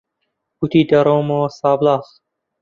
گوتی دەڕۆمەوە سابڵاغ.